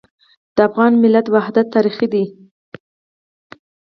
د افغان ملت وحدت تاریخي دی.